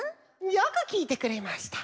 よくきいてくれました。